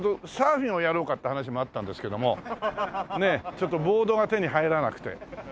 ちょっとボードが手に入らなくて。